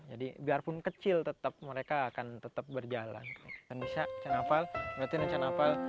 jadi biarpun kecil tetap mereka akan tetap berjalan